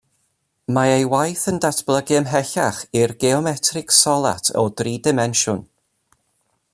Mae ei waith yn datblygu ymhellach i'r geometreg solat o dri dimensiwn.